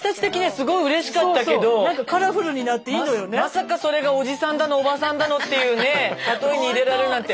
まさかそれがおじさんだのおばさんだのっていうね例えに入れられるなんて。